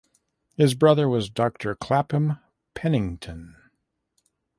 His brother was Doctor Clapham Pennington.